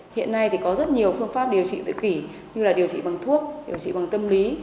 hiện nay thì có rất nhiều phương pháp điều trị tự kỷ như là điều trị bằng thuốc điều trị bằng tâm lý